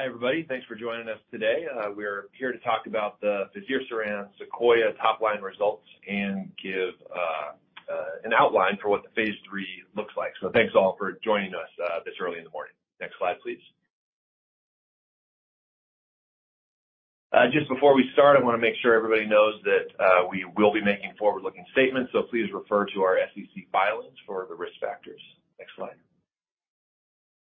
Hi, everybody. Thanks for joining us today. We're here to talk about the Fazirsiran SEQUOIA top-line results and give an outline for what the phase III looks like. Thanks, all, for joining us this early in the morning. Next slide, please. Just before we start, I want to make sure everybody knows that we will be making forward-looking statements, so please refer to our SEC filings for the risk factors. Next slide.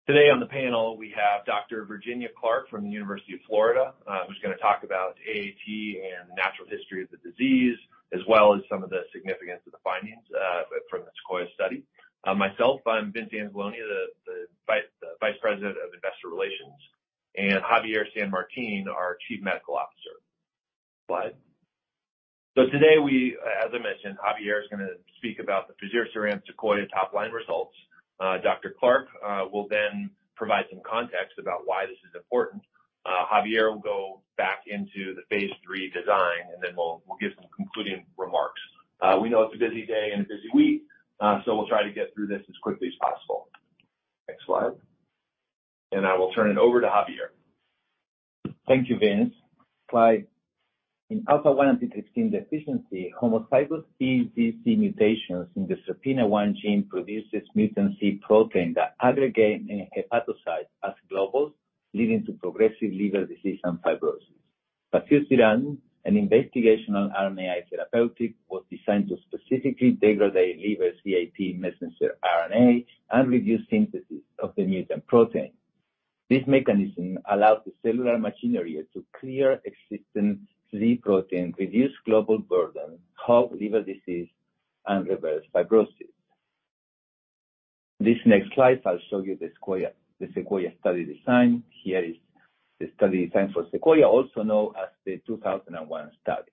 Today on the panel, we have Dr. Virginia Clark from the University of Florida, who's gonna talk about AAT and natural history of the disease, as well as some of the significance of the findings from the SEQUOIA study. Myself, I'm Vince Anzalone, the Vice President of Investor Relations, and Javier San Martin, our Chief Medical Officer. Slide. Today we, as I mentioned, Javier is gonna speak about the Fazirsiran SEQUOIA top-line results. Dr. Clark will then provide some context about why this is important. Javier will go back into the phase III design, and then we'll give some concluding remarks. We know it's a busy day and a busy week, so we'll try to get through this as quickly as possible. Next slide. I will turn it over to Javier. Thank you, Vince. Slide. In alpha-1 antitrypsin deficiency, homozygous PiZ mutations in the SERPINA1 gene produces mutant Z protein that aggregate in hepatocyte as globules, leading to progressive liver disease and fibrosis. Fazirsiran, an investigational RNAi therapeutic, was designed to specifically degrade liver Z-AAT messenger RNA and reduce synthesis of the mutant protein. This mechanism allows the cellular machinery to clear existing Z protein, reduce global burden, halt liver disease, and reverse fibrosis. This next slide, I'll show you the SEQUOIA study design. Here is the study design for SEQUOIA, also known as the 2001 study.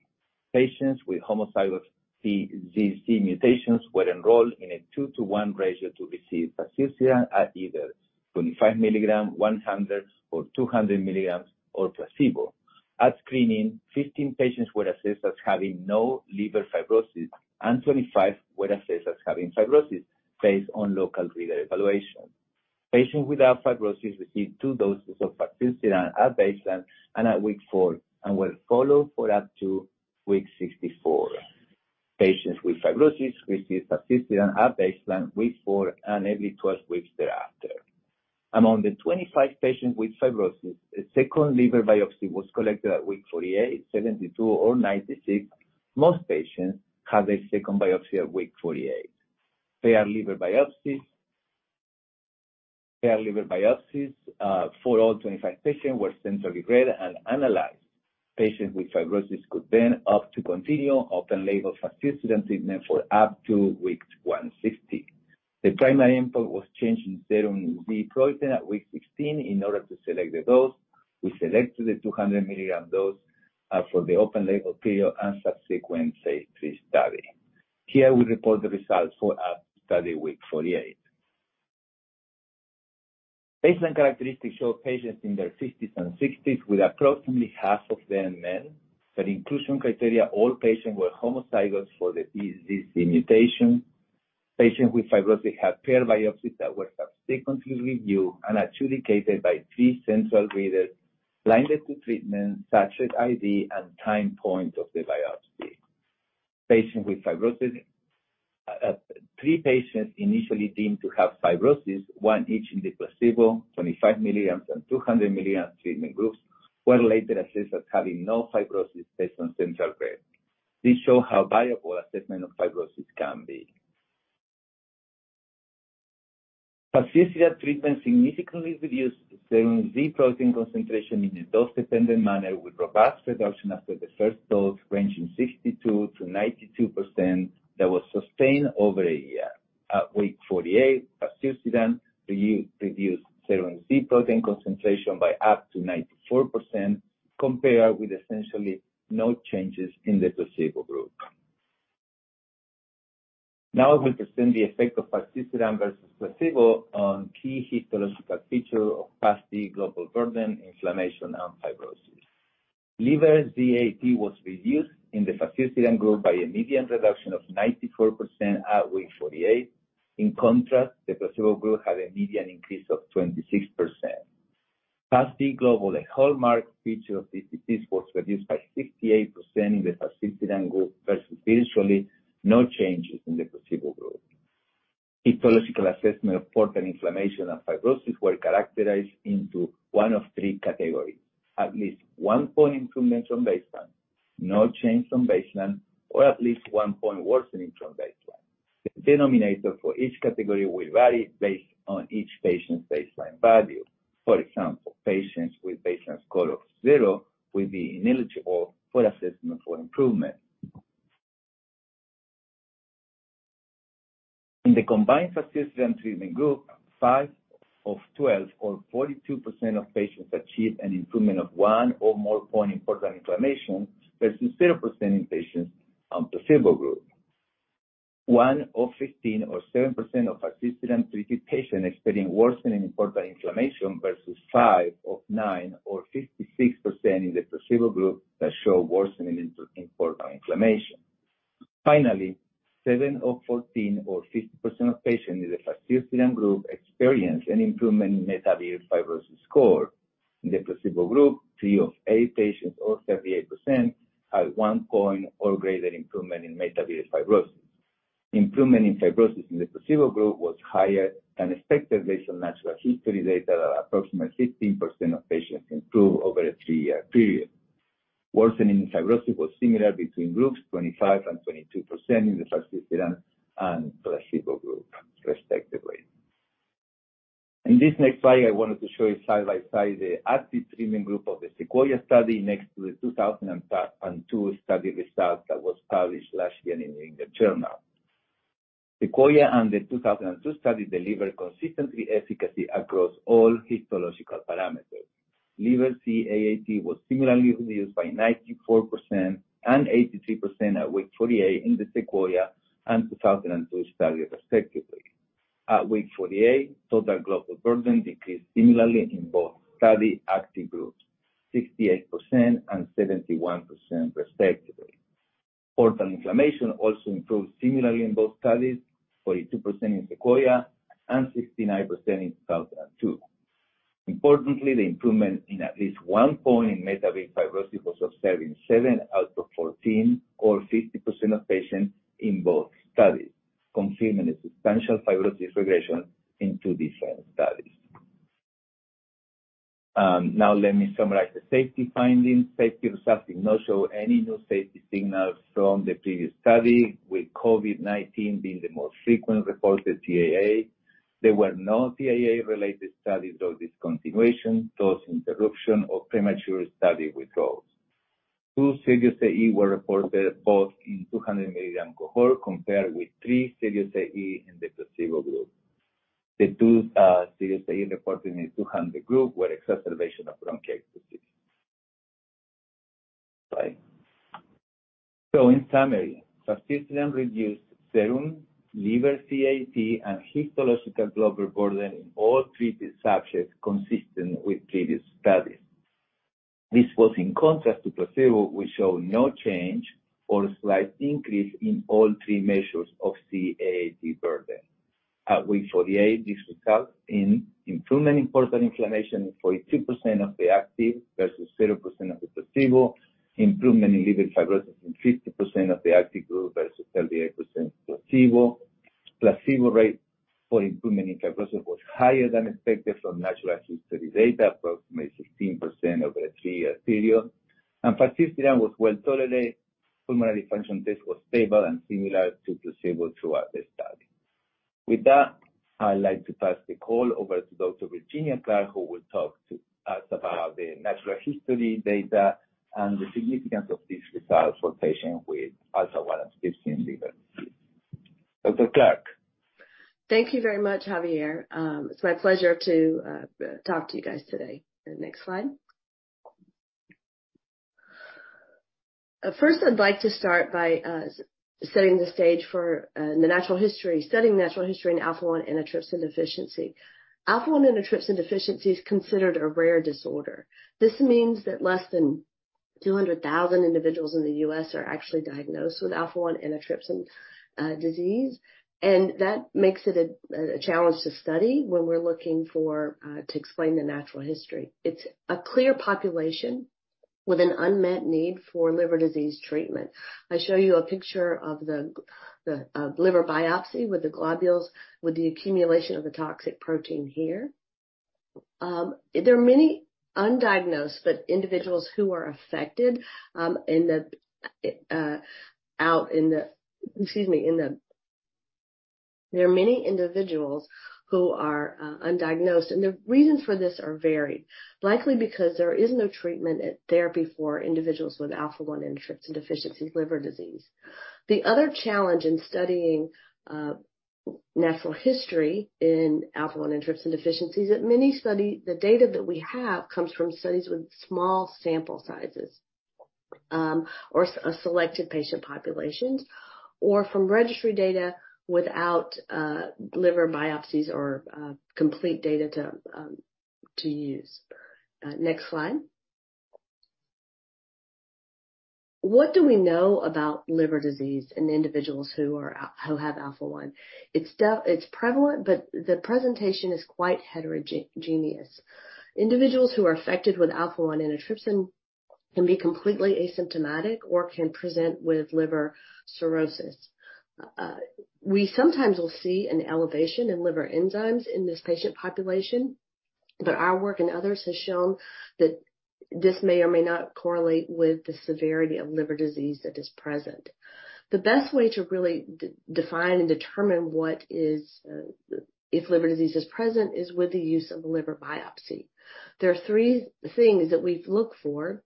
Patients with homozygous PiZ mutations were enrolled in a 2-to-1 ratio to receive Fazirsiran at either 25 mg, 100 mg or 200 mg or placebo. At screening, 15 patients were assessed as having no liver fibrosis, and 25 were assessed as having fibrosis based on local reader evaluation. Patients without fibrosis received two doses of Fazirsiran at baseline and at week four and were followed for up to week 64. Patients with fibrosis received Fazirsiran at baseline, week four, and every 12 weeks thereafter. Among the 25 patients with fibrosis, a second liver biopsy was collected at week 48, 72 or 96. Most patients had their second biopsy at week 48. Paired liver biopsies for all 25 patients were centrally read and analyzed. Patients with fibrosis could then opt to continue open label Fazirsiran treatment for up to week 160. The primary input was change in serum Z protein at week 16 in order to select the dose. We selected the 200 mg dose for the open label period and subsequent safety study. Here we report the results for our study week 48. Baseline characteristics show patients in their 50s and 60s with approximately 1/2 of them men. For inclusion criteria, all patients were homozygous for the PZZ mutation. Patients with fibrosis had paired biopsies that were subsequently reviewed and adjudicated by three central readers blinded to treatment, subject ID, and time point of the biopsy. Three patients initially deemed to have fibrosis, one each in the placebo, 25 mg and 200 mg treatment groups, were later assessed as having no fibrosis based on central grade. This show how variable assessment of fibrosis can be. Fazirsiran treatment significantly reduced serum Z-AAT concentration in a dose-dependent manner with robust reduction after the first dose, ranging 62%-92% that was sustained over a year. At week 48, Fazirsiran re-reduced serum Z-AAT concentration by up to 94% compared with essentially no changes in the placebo group. Now we present the effect of Fazirsiran versus placebo on key histological feature of PAS-D global burden, inflammation, and fibrosis. Liver Z-AAT was reduced in the Fazirsiran group by a median reduction of 94% at week 48. In contrast, the placebo group had a median increase of 26%. PAS-D global, a hallmark feature of this disease, was reduced by 68% in the Fazirsiran group versus visually no changes in the placebo group. Histological assessment of portal inflammation and fibrosis were characterized into one of three categories, at least one point improvement from baseline, no change from baseline, or at least one point worsening from baseline. The denominator for each category will vary based on each patient's baseline value. For example, patients with baseline score of zero will be ineligible for assessment for improvement. In the combined Fazirsiran treatment group, 5 of 12 or 42% of patients achieved an improvement of one or more point in portal inflammation versus 0% in patients on placebo group. 1 of 15 or 7% of Fazirsiran-treated patients experienced worsening in portal inflammation versus 5 of 9 or 56% in the placebo group that showed worsening in portal inflammation. Finally, 7 of 14 or 50% of patients in the Fazirsiran group experienced an improvement in METAVIR fibrosis score. In the placebo group, three of eight patients, or 38%, had one point or greater improvement in METAVIR fibrosis. Improvement in fibrosis in the placebo group was higher than expected based on natural history data that approximately 15% of patients improve over a three-year period. Worsening in fibrosis was similar between groups, 25% and 22% in the Fazirsiran and placebo group, respectively. In this next slide, I wanted to show you side by side the active treatment group of the SEQUOIA study next to the 2002 study results that was published last year in The Journal. SEQUOIA and the 2002 study delivered consistency efficacy across all histological parameters. Liver Z-AAT was similarly reduced by 94% and 83% at week 48 in the SEQUOIA and 2002 study respectively. At week 48, total global burden decreased similarly in both study active groups, 68% and 71% respectively. Portal inflammation also improved similarly in both studies, 42% in SEQUOIA and 69% in 2002. Importantly, the improvement in at least one point in METAVIR fibrosis was observed in 7 out of 14 or 50% of patients in both studies, confirming a substantial fibrosis regression in two different studies. Now let me summarize the safety findings. Safety results did not show any new safety signals from the previous study, with COVID-19 being the most frequently reported TEAE. There were no TEAE-related studies or discontinuation, dose interruption, or premature study withdrawals. Two serious TEAE were reported both in 200 million cohort, compared with three serious TEAE in the placebo group. The two serious TEAE reported in the 200 group were exacerbation of bronchiectasis. Slide. In summary, Fazirsiran reduced serum liver Z-AAT and histological global burden in all treated subjects consistent with previous studies. This was in contrast to placebo, which showed no change or a slight increase in all three measures of Z-AAT burden. At week 48, this results in improvement in portal inflammation in 42% of the active versus 0% of the placebo. Improvement in liver fibrosis in 50% of the active group versus 38% placebo. Placebo rate for improvement in fibrosis was higher than expected from natural history data, approximately 16% over a three-year period. Fazirsiran was well-tolerated. Pulmonary function test was stable and similar to placebo throughout the study. With that, I'd like to pass the call over to Dr. Virginia Clark, who will talk to us about the natural history data and the significance of these results for patients with alpha-1 antitrypsin deficiency. Dr. Clark. Thank you very much, Javier. It's my pleasure to talk to you guys today. Next slide. First, I'd like to start by setting the stage for the natural history, studying natural history in alpha-1 antitrypsin deficiency. Alpha-1 antitrypsin deficiency is considered a rare disorder. This means that less than 200,000 individuals in the U.S. are actually diagnosed with alpha-1 antitrypsin disease, and that makes it a challenge to study when we're looking for to explain the natural history. It's a clear population with an unmet need for liver disease treatment. I show you a picture of the liver biopsy with the globules, with the accumulation of the toxic protein here. There are many undiagnosed but individuals who are affected in the excuse me. In the... There are many individuals who are undiagnosed, the reasons for this are varied, likely because there is no treatment or therapy for individuals with alpha-1 antitrypsin deficiency liver disease. The other challenge in studying natural history in alpha-1 antitrypsin deficiency is that the data that we have comes from studies with small sample sizes, or selected patient populations, or from registry data without liver biopsies or complete data to use. Next slide. What do we know about liver disease in individuals who are who have alpha-1? It's prevalent, the presentation is quite heterogeneous. Individuals who are affected with alpha-1 antitrypsin can be completely asymptomatic or can present with liver cirrhosis. We sometimes will see an elevation in liver enzymes in this patient population, but our work and others have shown that this may or may not correlate with the severity of liver disease that is present. The best way to really de-define and determine what is, if liver disease is present, is with the use of a liver biopsy. There are three things that we look for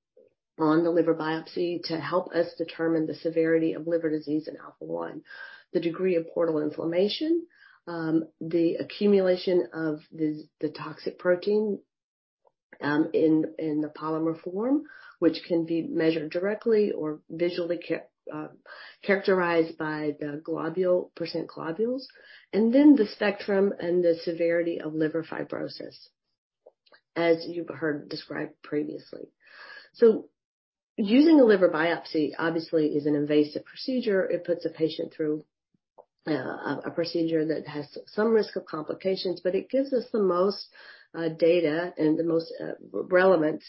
on the liver biopsy to help us determine the severity of liver disease in alpha-1. The degree of portal inflammation, the accumulation of the toxic protein, in the polymer form, which can be measured directly or visually characterized by the globule, percent globules, and then the spectrum and the severity of liver fibrosis. As you've heard described previously. Using a liver biopsy obviously is an invasive procedure. It puts a patient through a procedure that has some risk of complications, but it gives us the most data and the most relevant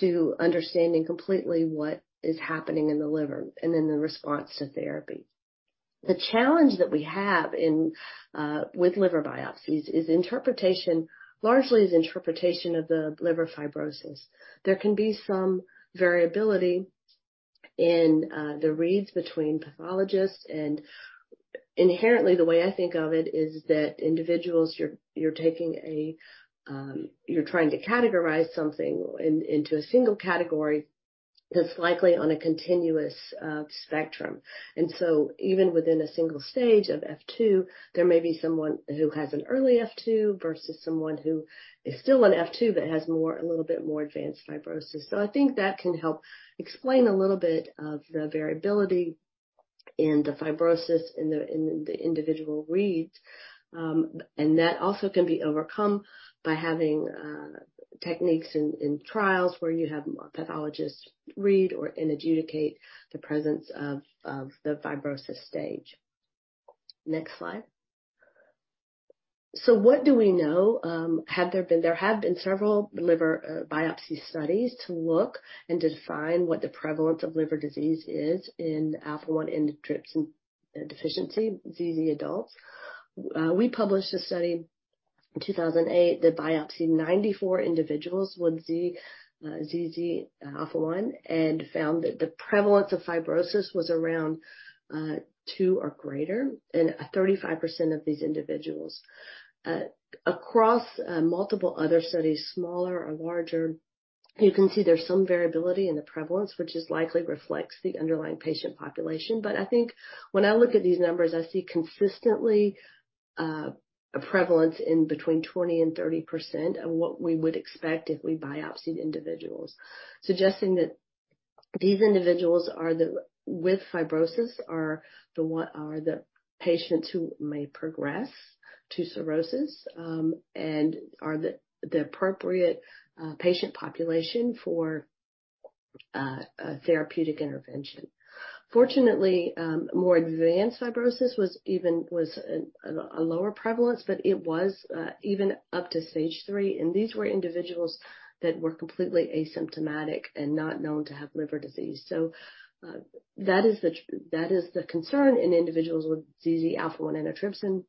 to understanding completely what is happening in the liver and in the response to therapy. The challenge that we have with liver biopsies is interpretation. Largely is interpretation of the liver fibrosis. There can be some variability in the reads between pathologists and inherently, the way I think of it is that individuals you're taking a, you're trying to categorize something into a single category that's likely on a continuous spectrum. Even within a single stage of F2, there may be someone who has an early F2 versus someone who is still an F2 but has more, a little bit more advanced fibrosis. I think that can help explain a little bit of the variability in the fibrosis in the, in the individual reads. And that also can be overcome by having techniques in trials where you have pathologists read or adjudicate the presence of the fibrosis stage. Next slide. What do we know? There have been several liver biopsy studies to look and define what the prevalence of liver disease is in alpha-1 antitrypsin deficiency, ZZ adults. We published a study in 2008 that biopsied 94 individuals with Z, ZZ alpha-1 and found that the prevalence of fibrosis was around two or greater in 35% of these individuals. Across multiple other studies, smaller or larger, you can see there's some variability in the prevalence, which is likely reflects the underlying patient population. I think when I look at these numbers, I see consistently a prevalence in between 20% and 30% of what we would expect if we biopsied individuals, suggesting that these individuals with fibrosis are the patients who may progress to cirrhosis and are the appropriate patient population for therapeutic intervention. Fortunately, more advanced fibrosis was even a lower prevalence, but it was even up to stage three, and these were individuals that were completely asymptomatic and not known to have liver disease. That is the concern in individuals with ZZ alpha-1 antitrypsin,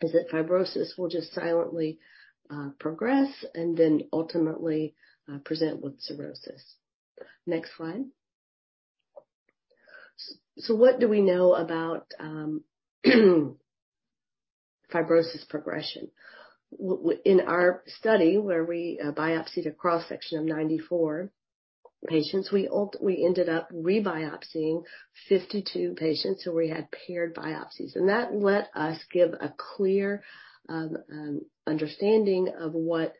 is that fibrosis will just silently progress and ultimately present with cirrhosis. Next slide. What do we know about fibrosis progression? In our study where we biopsied a cross-section of 94 patients, we ended up re-biopsying 52 patients, so we had paired biopsies, and that let us give a clear understanding of what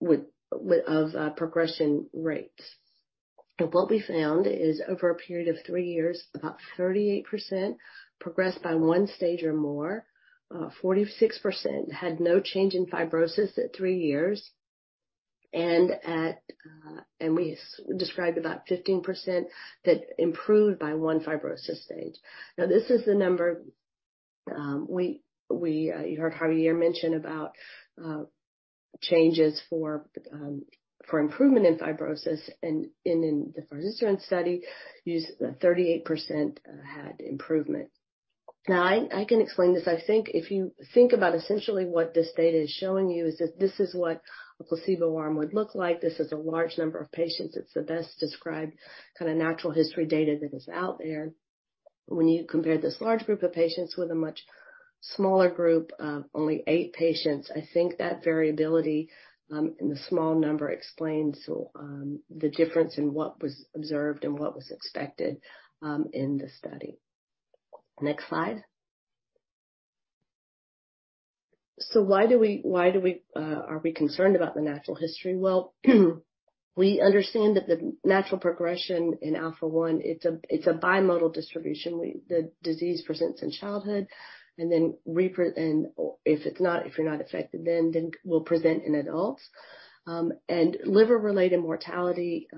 would... Of progression rates. What we found is over a period of three years, about 38% progressed by one stage or more. 46% had no change in fibrosis at three years. At, and we described about 15% that improved by one fibrosis stage. Now, this is the number, we you heard Javier mention about changes for improvement in fibrosis and in the SEQUOIA study, is that 38% had improvement. Now, I can explain this. I think if you think about essentially what this data is showing you is that this is what a placebo arm would look like. This is a large number of patients. It's the best described kind of natural history data that is out there. When you compare this large group of patients with a much smaller group of only eight patients, I think that variability in the small number explains the difference in what was observed and what was expected in the study. Next slide. Why do we, why do we, are we concerned about the natural history? Well, we understand that the natural progression in alpha-1, it's a, it's a bimodal distribution, the disease presents in childhood and then if it's not, if you're not affected then will present in adults. Liver-related mortality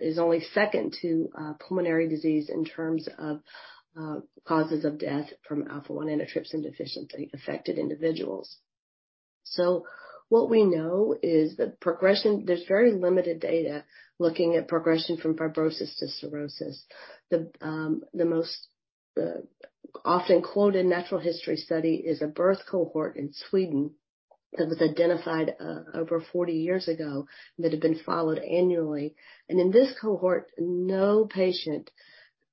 is only second to pulmonary disease in terms of causes of death from alpha-1 antitrypsin deficiency affected individuals. What we know is that progression, there's very limited data looking at progression from fibrosis to cirrhosis. The most often quoted natural history study is a birth cohort in Sweden that was identified over 40 years ago that had been followed annually. In this cohort, no patient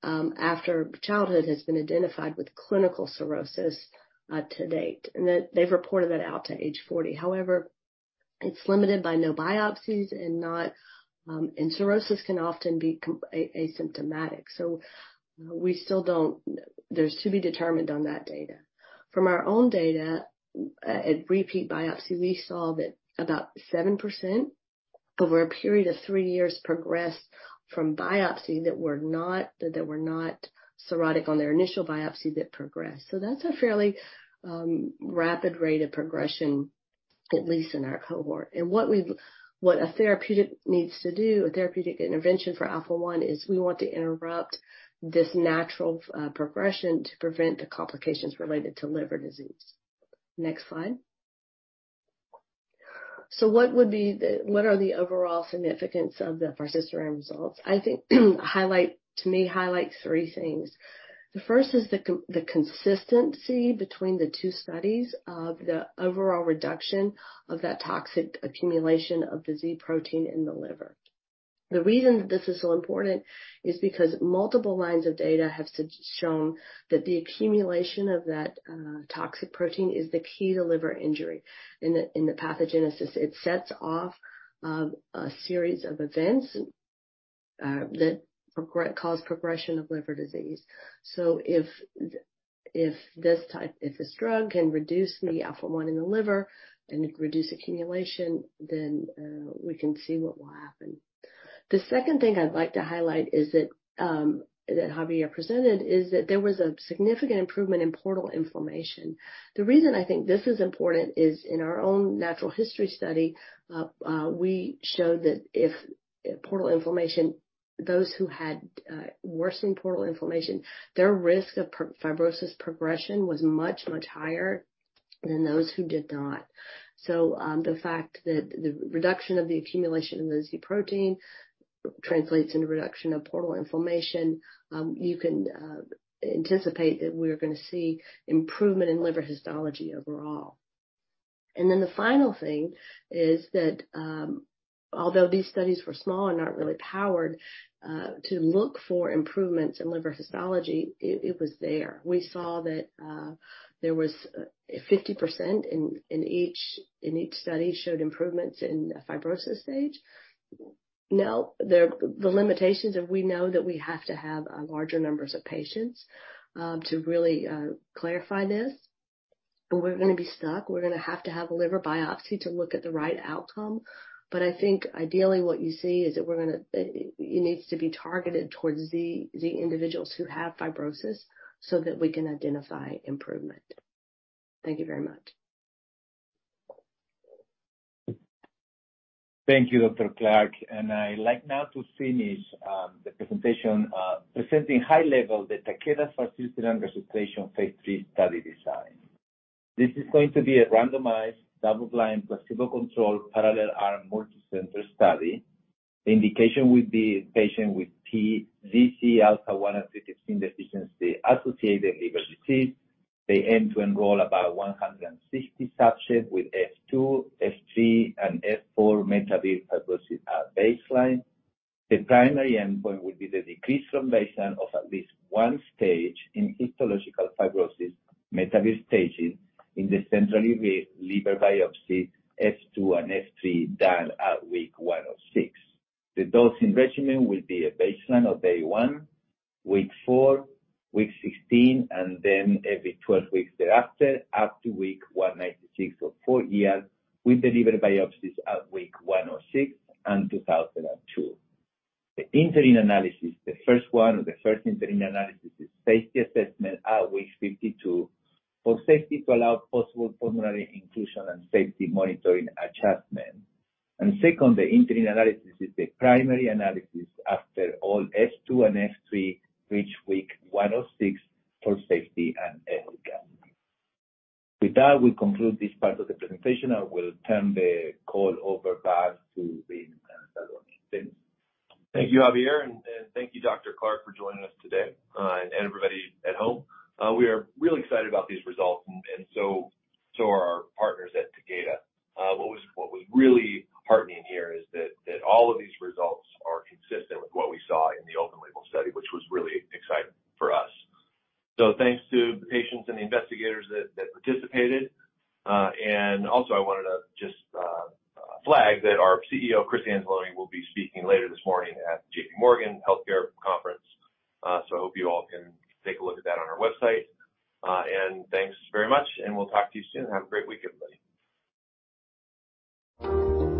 after childhood has been identified with clinical cirrhosis to date. They've reported that out to age 40. However, it's limited by no biopsies and not, and cirrhosis can often be asymptomatic. We still don't. There's to be determined on that data. From our own data, at repeat biopsy, we saw that about 7% over a period of three years progressed from biopsy that were not cirrhotic on their initial biopsy that progressed. That's a fairly rapid rate of progression, at least in our cohort. What a therapeutic needs to do, a therapeutic intervention for alpha-1 is we want to interrupt this natural progression to prevent the complications related to liver disease. Next slide. What are the overall significance of the Fazirsiran results? I think to me, highlights three things. The first is the consistency between the two studies of the overall reduction of that toxic accumulation of the Z protein in the liver. The reason that this is so important is because multiple lines of data have shown that the accumulation of that toxic protein is the key to liver injury. In the pathogenesis, it sets off a series of events that cause progression of liver disease. If this type, if this drug can reduce the alpha-1 in the liver and reduce accumulation, then we can see what will happen. The second thing I'd like to highlight is that that Javier presented, is that there was a significant improvement in portal inflammation. The reason I think this is important is in our own natural history study, we showed that if portal inflammation, those who had worsening portal inflammation, their risk of fibrosis progression was much higher than those who did not. The fact that the reduction of the accumulation of the Z protein translates into a reduction of portal inflammation, you can anticipate that we're gonna see improvement in liver histology overall. The final thing is that, although these studies were small and aren't really powered to look for improvements in liver histology, it was there. We saw that there was 50% in each study showed improvements in fibrosis stage. The limitations are we know that we have to have larger numbers of patients to really clarify this. We're gonna be stuck. We're gonna have to have a liver biopsy to look at the right outcome. I think ideally what you see is that we're gonna. It needs to be targeted towards the individuals who have fibrosis so that we can identify improvement. Thank you very much. Thank you, Dr. Clark. I'd like now to finish the presentation presenting high level the Takeda Fazirsiran registration phase III study design. This is going to be a randomized, double-blind, placebo-controlled, parallel-arm, multicenter study. The indication will be patient with PiZ alpha-1 antitrypsin deficiency associated liver disease. They aim to enroll about 160 subjects with F2, F3, and F4 METAVIR fibrosis at baseline. The primary endpoint will be the decrease from baseline of at least one stage in histological fibrosis METAVIR staging in the central liver biopsy F2 and F3 done at week 106. The dosing regimen will be a baseline of day one, week four, week 16, and then every 12 weeks thereafter, up to week 196 or four years, with liver biopsies at week 106 and 2,002. The interim analysis, the first one or the first interim analysis is safety assessment at week 52 for safety to allow possible pulmonary inclusion and safety monitoring adjustment. Second, the interim analysis is the primary analysis after all F2 and F3 reach week 106 for safety and efficacy. With that, we conclude this part of the presentation. I will turn the call over back to Vince Anzalone. Thanks. Thank you, Javier San Martin. Thank you, Dr. Clark, for joining us today, and everybody at home. We are really excited about these results and so are our partners at Takeda. What was really heartening here is that all of these